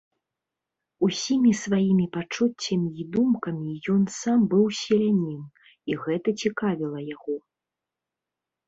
Усімі сваімі пачуццямі і думкамі ён сам быў селянін, і гэта цікавіла яго.